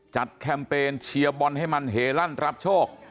แคมเปญเชียร์บอลให้มันเฮลั่นรับโชค